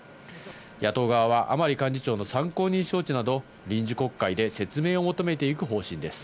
野党側は甘利幹事長の参考人招致など臨時国会で説明を求めていく方針です。